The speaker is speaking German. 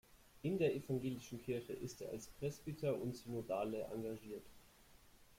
In der evangelischen Kirche ist er als Presbyter und Synodale engagiert.